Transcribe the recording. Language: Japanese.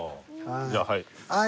じゃあはい。